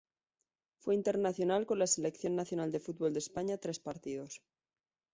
Fue internacional con la selección nacional de fútbol de España tres partidos.